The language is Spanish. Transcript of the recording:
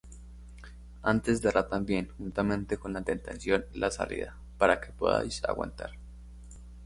antes dará también juntamente con la tentación la salida, para que podáis aguantar.